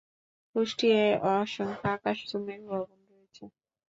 কুষ্টিয়ায় অসংখ্য আকাশচুম্বী ভবন রয়েছে।